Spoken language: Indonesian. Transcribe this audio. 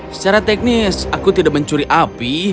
secara teknis aku tidak mencuri api